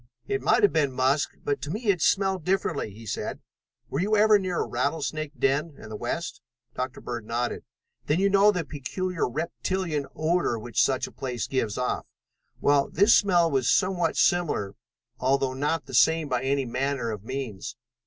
"It might have been musk, but to me it smelled differently," he said. "Were you ever near a rattlesnake den in the west?" Dr. Bird nodded. "Then you know the peculiar reptilian odor which such a place gives off. Well, this smell was somewhat similar, although not the same by any manner of means.